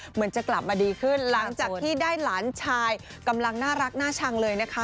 เหมือนจะกลับมาดีขึ้นหลังจากที่ได้หลานชายกำลังน่ารักน่าชังเลยนะคะ